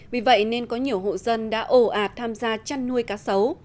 vì vậy nên có nhiều hộ dân đã ổ ạt tham gia chăn nuôi cá sấu